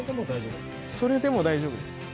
それでも大丈夫です。